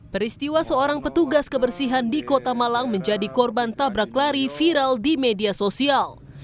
peristiwa seorang petugas kebersihan di kota malang menjadi korban tabrak lari viral di media sosial